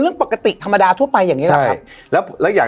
เรื่องปกติธรรมดาทั่วไปอย่างนี้แหละครับใช่แล้วแล้วอย่าง